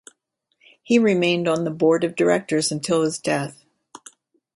He remained on the board of directors until his death.